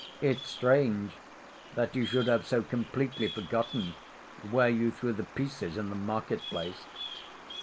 "It's strange that you should have so completely forgotten where you threw the pieces in the market‐place."